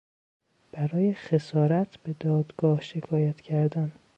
برای خسارت به دادگاه شکایت کردن